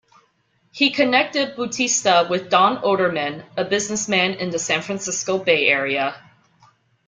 He connected Bautista with Don Odermann, a businessman in the San Francisco Bay Area.